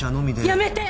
やめて！